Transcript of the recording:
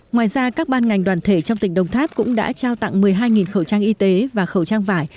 ngoài ra các ban ngành đoàn thể trong tỉnh đồng tháp cũng đã trao tặng một mươi hai khẩu trang y tế và khẩu trang vải